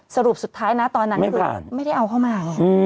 สรุปสุดท้ายนะตอนนั้นคือไม่ได้เอาเข้ามาไง